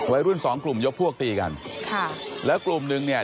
วัยรุ่นสองกลุ่มยกพวกตีกันค่ะแล้วกลุ่มนึงเนี่ย